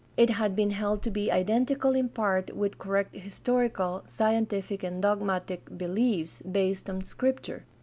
It had been held to be identical in part with correct historical, scientific, and dogmatic behefs based on Scripture.